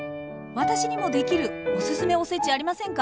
私にもできるオススメおせちありませんか？